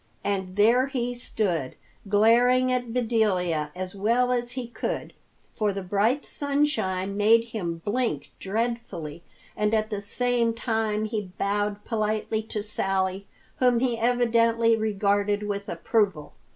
And there he stood, glaring at Bedelia as well as he could, for the bright sunshine made him blink dreadfully, and at the same time he bowed politely to Sally, whom he evidently regarded with approval.